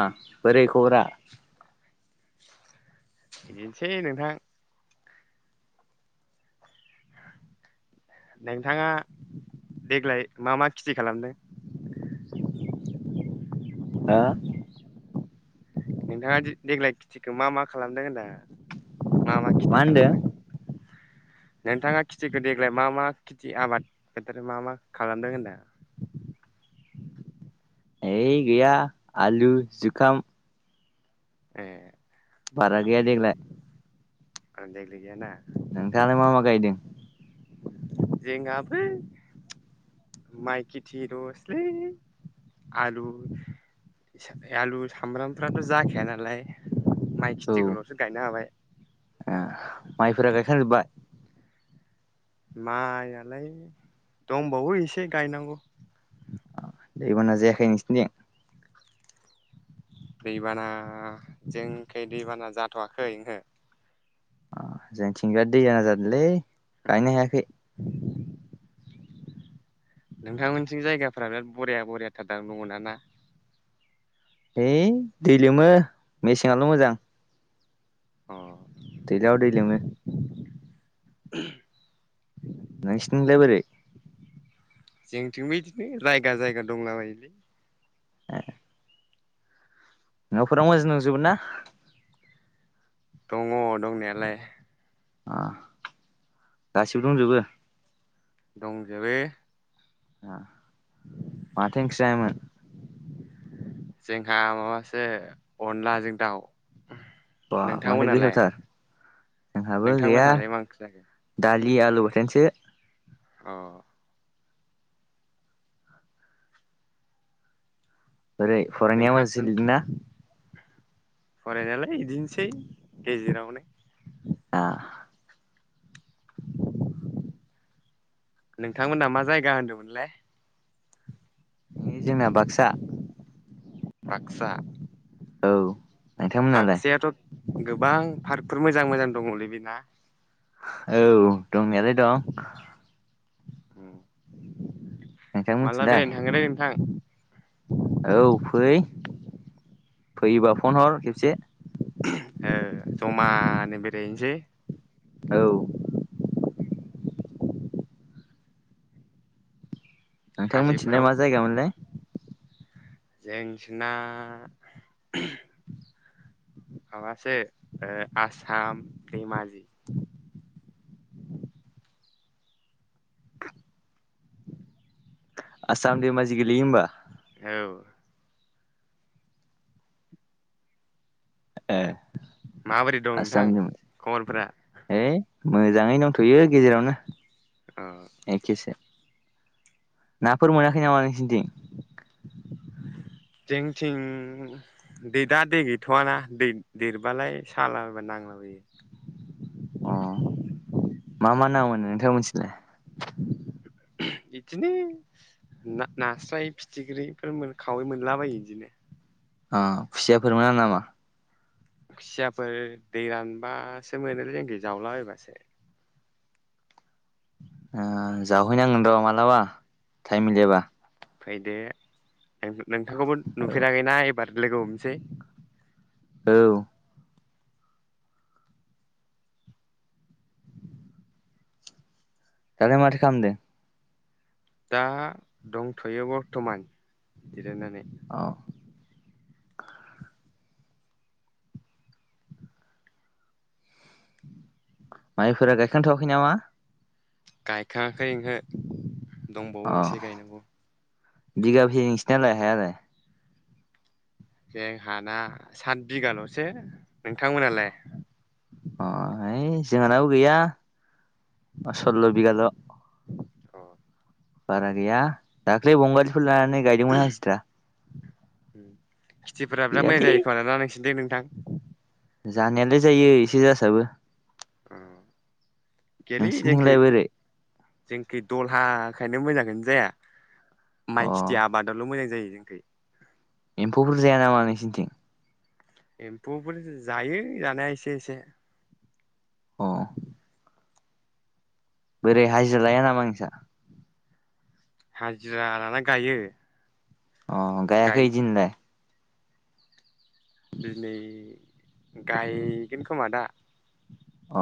हा बरै खबरा? बिदिनोसै नोंथां [inaudible] नोंथाङा देग्लाय मा मा खिति खालामदों? हो नोंथाङा दि-देग्लाय खिथिखो मा मा खालामदों होनदों? मा मा खिथि खालामदों। नोंथाङा खिथिखो देग्लाय मा मा खिथि आबाद [unintelligible] मा मा खालामदों होनदों। [inaudible] है गैया आलु जुखाम ए बारा गैया देगलाय। आ देग नोंथाङालाय मा मा गायदों जोंआबो माइ खिथि लसोलै। आलु आलु सामब्रामफ्राथ' जाखाया नालाय माइ खिथिखौल'सो गायनो हाबाय। ए माइफोरा गायखांजोबबाय। माइआलाय दंबावो एसे गायनांगौ। दैबाना जायाखै नोंसिनिथिं। दैबाना जोंखै दैबाना जाथ'वाखै ओहो ओ जोंथिंजाय दैया जादोलै गायनो हायाखै। नोंथां मोननिथिं जायगाफोरा बिराद बरिया बरियााथार दां नंगोना है दै लोमो मेसेंआल' मोजां अ दैज्लांआव दै लोमो। ओहम नोंसिथिंलाय बोरै जोंनिथिंबो इदिनो जायगा जायगा दंला बायोलै ए नफोराव मोजां दंजोबो ना दङ दंनायालाय आ गासिबो दंजोबो दंजोबो आ माथो ओंख्रि जायाममोन। जोंहा माबासो अनलाजों दाउ बा माथो नोंथांमोनालाय गोथावथार जोंहाबो गैया नोंथांमोनहालाय मा ओंख्रि जाखो दालि दलि आलु बथोनसो अ ओरै फरायनाया नोंथां मानसि लिरदोना फरायनायालाय इदिनोसै गजेरावनो। आ नोंथांमोनहा मा जायगा होनदोंमोनलाय। ओइ जोंना बाक्सा बक्सा औ नोंथांमोनालाय बाक्सायाथ गोबां पार्कफोर मोजां मोजां दङलै बेना औ दंनायालाय दं ओम नोंथां मालाबा मिथिलाय बेरायनो थांगोन दै नोंथां। औ फै फैबा फन हर खेबसे ओ जमानो बेरायहनोसै औ नोंथां हाजोफोराव मोनथिलाय मा जायगामोनलाय। जोंनिथिना ओहम माबासो ओ आसाम दैमाजि [inaudible] आसाम दैमाजि गोेलेैयो होम्बा औ ए माबोरै दं नोंथां आसामनि खबरफोरा मोन ओइ मोजाङै दंथयो गेजेरावनो अ एखेसो नाफोर मोनाखै नामा नोंसोरनिथिं जोंनिथिं दै दा दै गैथवाना दै देरबालाय सालाबायबा नांलाबोयो अ मा मा ना मोनो नोंथां मिथिलाय इदिनि ना नास्राय फिथिख्रिफोर खावै मोनलाबायो इदिनो अ खुसियाफोर मोना नामा? खुसियाफोर दै रानबासो मोनोलै जोंखि जावलाबायबासो जावहैनांगोन र मालाबा टाइम मिलायबा। फैदो नों नोंथांखौबो औ नुफेराखैना एबार लोगो हमनोसै औ दालाय माथो खामदो दा दंथयो बर्टमान जिरायनानै अ उ माइफोरा गायखांथवाखै नामा? गायखांआखै ओंहो दंबावो एसे गायनांगौ बिगाबोसे नोंसोरनालाय हाया लाय। जोंहाना सात बिगालसो नोंथांमोनालाय? जोंङानाबो गैया सल्ल' बिगाल' अ बारा गैया दाख्लै बंगालिफोर लानानै गायदोंमोन हान्सिद्रा। खिटिफोरा बिराद मोजां गैयालै जायो खोमा ना नांसिनथि नोंथां? जानायालाय जायो एसे जासाबो गेलै जोंखै नोंसिनिथिंलाय बोरै जोंखै दलहा। ओंखायनो मोजांङैनो जाया अ माइ खेथि आबादावल' मोजां जायो जोंखै। एम्फौफोर जाया नामा नोंसिनिथिं? एम्फौफोर जायो जानाया एसे एसे। औ। बोरै हाजिरा लाया नामा नोंसा? हाजिरा लाना गायो। अ गाय गायाखै जिन्दा। दिनै गायगोन खोमा दा अ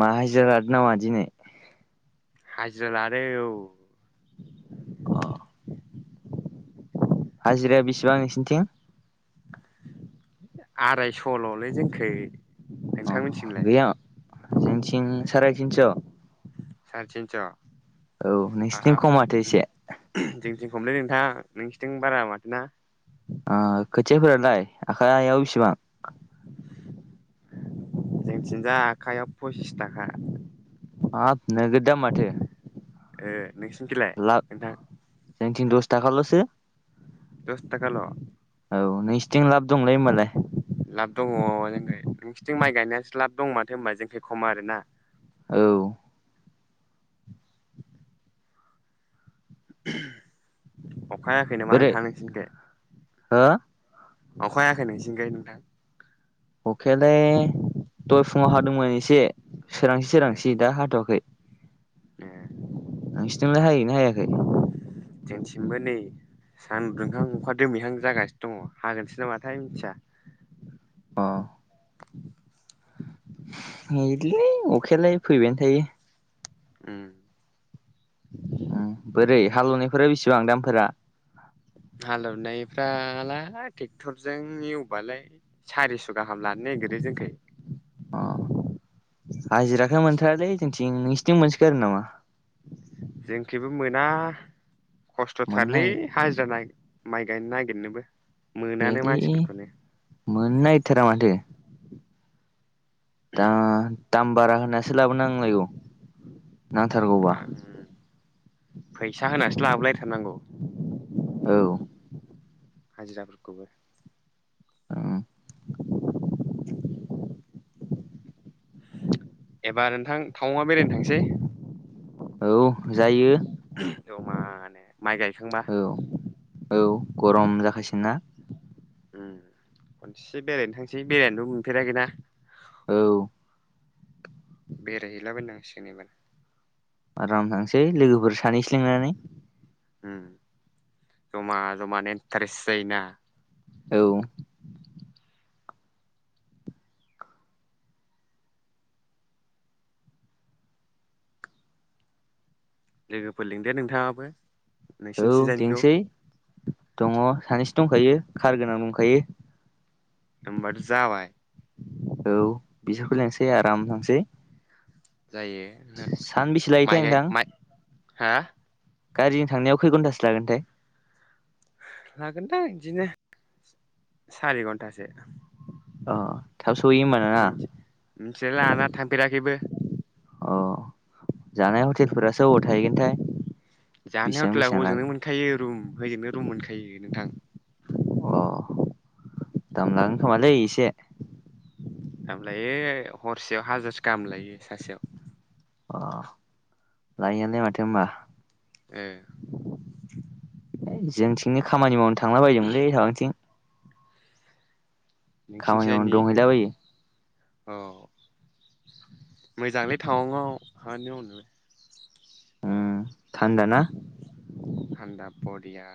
मा हायज्रा लादो नामा दिनै? हाजिरालादो औ। अ हाजिराया बेसेबां नोंसिनिथिं? आरायस'ल'लै जोंखै। अ नोंथांमोनथिंलाय गैया जेंथिं साराय थिनस'। चारिथिनस' औ नोंसिथिं खम माथो एसे। उमलै नोंथां नोंसोरथिं बारा माथो ना? आ खोथिया फोरालाय आखायाव बिसिबां? जोंथिंजा आखाइायाव फसिस थाखा। हब नोगोद दाम माथो? ए नोंसिनिथिलाय नोंथां? था खालाम'से दस थाखकाल'? औ नोंसिथिं लाब दंलै होमबालाय। लाब दङ जोंखाय नोंसथिं माइ गायनायसो लाब दं माथो होनबा जोंथिं खम आरोना। औ। अखाहायाखै नामा आोंथां नोंसिनिखै? हा अखायाखै नोंसिनिखोय नोंथां? अखेलाय दय फुङाव हादोंमोन एसे सोरांसि ए सोरांसि दा हाथ'वाखै। ए नोंसिनिथिलाय हायोना हायाखै? जोंसिमबो नै सानदुंहां अखा दोमैहां जागासिनो दङ हागोनसो नामाथाय मिथिया। अ बिदिलै अखायालाय फैबायानो थायो। उम। बोरै हालेवनायफोरा बेसेबां दामफोरा? हालेवनायफ्रालाय ट्रेक्टरजों एवबालाय सारिस' गाहाम लानो नायगिरो जोंखै। अ हाजिराखोनो मोनथारालै जोंथिं नोंसिनिथिं मोनसोगारो नामा? जोंखेबो मोना मोननो खस्थ'थारलै नागिरा हाजिरा नागिर माइ गायनो नागिरनोबो मोनानो गोयालै मानसिफोरखौनो मोननायथारा माथो। दा दाम बारा होनासो लाबोनांलायगौ नांथारगौबा फैसा होनासो लाबोलायथारनांगौ औ हाजिराफोरखौबो औ [inaudible] एबार नोंथां टावांयाव बेरायनो थांसै औ जायो। जमानो माइ गायखांबा औ औ गरम जाखासिगोन ना। उम खनसे बेरायनो थांसै बेरायनोथ' मोनफेराखैना औ। बेरायहैलाबायनांसिगोन एबार आराम थांसै लोगोफोर सानैसो लिंनानै उम जमा जमानो इन्टारेस्ट जायोना औ लोगोफोर लिंदो नोंथाङाबो औ नोंसिनिथिंजायनिखौ लिंसै दङ सानै दंखायो कार गोनां दंखायो होमबाथ जाबाय औ बिसोरखौ लेंसै आराम थांसै जायो ना सानबेसे लायोथाय माइ गाय नोंथां माइ हा गारिजों थांनायाव खै घन्टासो लागोनथाय लागोनदां इदिनो सारि घन्टासो। अ थाब सहैयो होमबा नोंना मिथि मिथिलाय लाङालां थांफेराखैबो अ जानाय हटेलफोरासो अबाव थाहैगोनथाय जानाय बेसेबां हटेेला बेसेबां हजोंनो लागोन मोनखायो रुम हजोंनो रुम मोनखायो नोंथां अ दाम लागोन खोमालै इसे दाम लायो हरसेयाव हाजारसे गाहाम लायो सासेयाव अ लायोयानो माथो होमबा ए। जोंथिंनि खामानि मावनो थांला बायोमोनलै माबाथिं खामानि मावनो नोंसिनिथिंजायनि दंहैलाबायो औ मोजांलै टावांआव खामानि मावनो थानदा ना थान्दा बरिया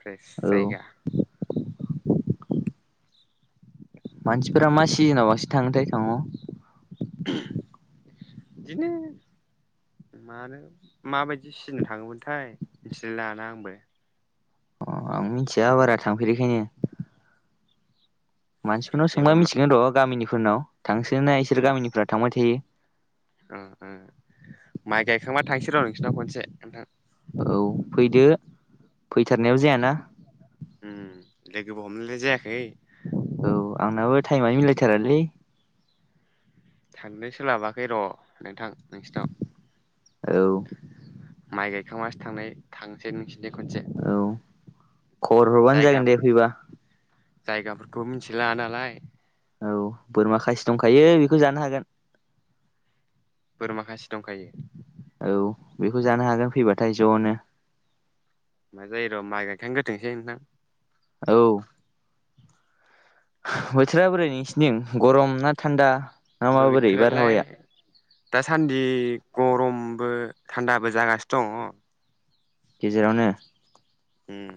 फ्रेस औ जायगा मानसिफोरा मा सिजोनाव बांसिन थाङोथाय टावांआव बिदिनो मानो माबायदि सिजोन थाङोमोनथाय मिथिलाय लांला आंबो अ आंबो मिथिया बारा थांफेरिखायनो मानसिफोरनाव सोंबा एबा मा मिथिगोन र' गामिनिफोरनाव थांसिनोना इसोर गामिनिफ्रा थांबाय थायो उम-उम माइ गायखांबा थांसै र' नोंसोरनाव खनसे नोंथां औ फैदो फैथारनायाव जायाना उम लोगोबो हमलायनाय जायाखै औ आंनाबो टाइमयानो मिलायथारालै थांनो सोलाबाखै र' नोंथां नोंसिनाव औ माइ गायखांबासो थांनाय थांनोसै नोंसोर औ खबर हरबानो जागोन जायगाफोर दे फैबा जायगाफोरखौ मिथिला नालाय औ बोरमा खासि दंखायो बेखौ जानो हागोन बोरमााखासे दंखायो? औ बेखौ जानो हागोन फैबाथाय ज'नो। मा जायो र' माइ गायखां गोथोंसै नोंथां औ। बोथोरा बोरै नोंसिरनिथिं गरम ना थान्दा ना माबा बोरै बोथोरालाय बारहावाया दासान्दि गरमबो थान्दाबो जागासिनो दङ गेजेरावनो ओम